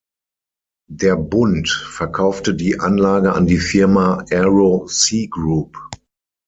Der Bund verkaufte die Anlage an die Firma Aero Sea Group.